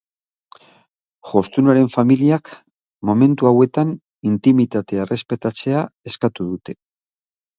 Jostunaren familiak momentu hauetan intimitatea errespetatzea eskatu dute.